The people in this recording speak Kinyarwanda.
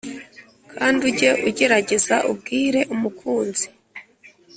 kandi ujye ugerageza ubwire umukunzi